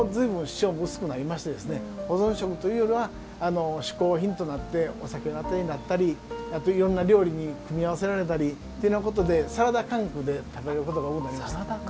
今はもう、ずいぶん塩も薄くなりまして保存食というよりはしこう品となってお酒のあてになったりいろんな料理に組み合わされたりサラダ感覚で食べることが多くなりましたね。